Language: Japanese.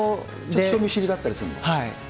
ちょっと人見知りだったりするの？